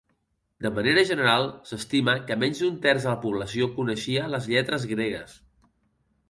De manera general, s’estima que menys d’un terç de la població coneixia les lletres gregues.